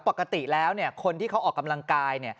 ปกติแล้วคนที่เขาออกกำลังกาย